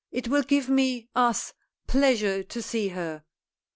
It will give me us pleasure to see her."